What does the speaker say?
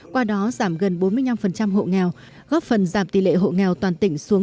qua đó giảm gần bốn mươi năm hộ nghèo góp phần giảm tỷ lệ hộ nghèo toàn tỉnh xuống một mươi năm ba mươi tám